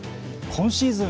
今シーズン